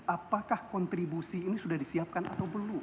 apakah kontribusi ini sudah disiapkan atau belum